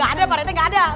gak ada paritnya gak ada